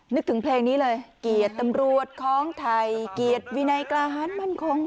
นึกถึงเพลงนี้เลยเกลียดตำรวจของไทยเกลียดวินัยกลาฮันมันคง